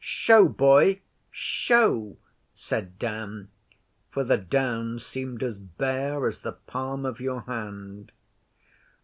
'Show, boy! Show!' said Dan, for the Downs seemed as bare as the palm of your hand.